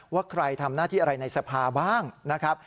ว่าใครทำหน้าที่อะไรในสภาบ้างนะครับ